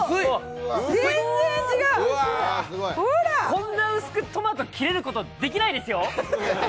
こんな薄くトマト切れることできないですよ。